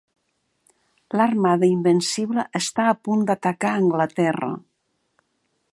L'Armada Invencible està a punt d'atacar Anglaterra.